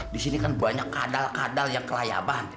disini kan banyak kadal kadal yang kelayaban